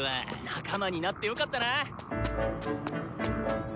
仲間になってよかったな。